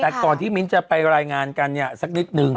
แต่ก่อนที่มิ้นจะไปรายงานกันเนี่ยสักนิดนึง